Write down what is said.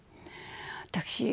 私